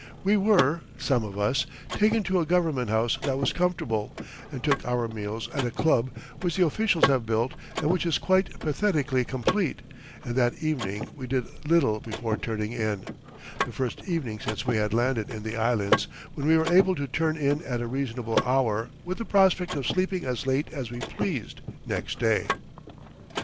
We were, some of us, taken to a government house that was comfortable, and took our meals at a club which the officials have built and which is quite pathetically complete, and that evening we did little before turning in the first evening since we had landed in the Islands when we were able to turn in at a reasonable hour with the prospect of sleeping as late as we pleased next day.